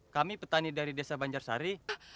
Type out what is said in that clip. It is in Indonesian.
kami petani dari desa banjar sari